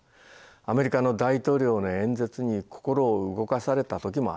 アメリカの大統領の演説に心を動かされた時もありました。